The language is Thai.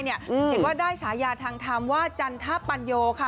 เห็นว่าได้ฉายาทางธรรมว่าจันทปัญโยค่ะ